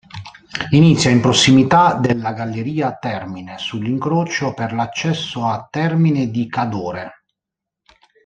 Inizia in prossimità della galleria Termine, sull'incrocio per l'accesso a Termine di Cadore.